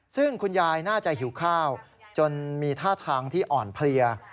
ซึ่งคุณยายน่าจะหิวข้าวจนมีท่าทางที่อ่อนเพลีย